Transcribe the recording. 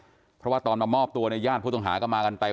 เพราะว่าตอนมามอบตัวในญาติผู้ต้องหาก็มากันเต็ม